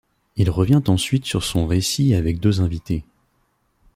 Il revient ensuite sur son récit avec deux invités.